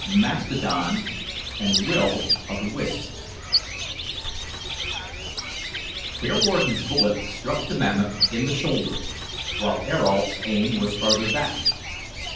MASTODON AND WILL O' THE WISPS. Bearwarden's bullet struck the mammoth in the shoulder, while Ayrault's aim was farther back.